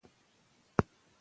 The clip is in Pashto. که شعر وي نو احساس نه وچیږي.